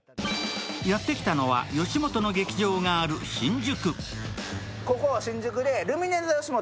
やってきたのは、吉本の劇場がある新宿。